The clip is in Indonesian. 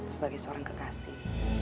sebagai seorang kekasih